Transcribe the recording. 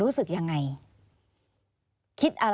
อันดับ๖๓๕จัดใช้วิจิตร